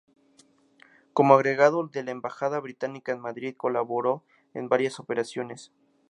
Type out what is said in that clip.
Como agregado de la embajada británica en Madrid colaboró en varias operaciones.